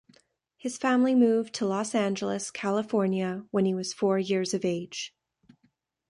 His family moved to Los Angeles, California when he was four years of age.